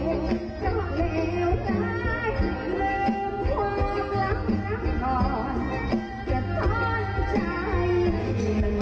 รู้สึกดีไม่รักต่อรักต่อ